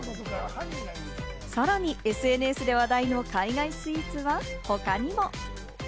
さらにＳＮＳで話題の海外スイーツは他にも。